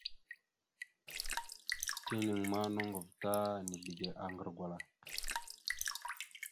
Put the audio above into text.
Tenaŋ ma, noŋgov ta nizləge aŋgar gwala.